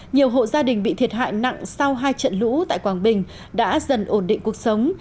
nhiều hộ gia đình bị thiệt hại nặng sau hai trận lũ tại quảng bình đã dần ổn định cuộc sống